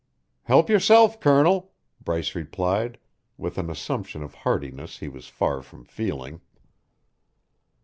"Help yourself, Colonel," Bryce replied with an assumption of heartiness he was far from feeling.